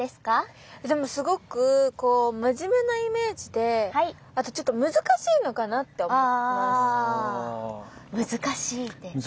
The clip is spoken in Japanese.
でもすごくこう真面目なイメージであとちょっと難しいのかなって思います。